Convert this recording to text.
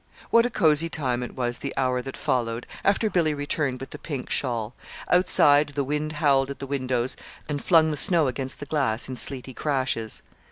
What a cozy time it was the hour that followed, after Billy returned with the pink shawl! Outside, the wind howled at the windows and flung the snow against the glass in sleety crashes.